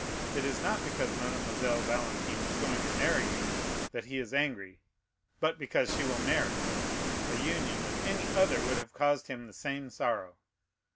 It is not because Mademoiselle Valentine is going to marry you that he is angry, but because she will marry, a union with any other would have caused him the same sorrow.